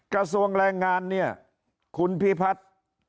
กระทรวงแรงงานเนี่ยคุณพิพัฒน์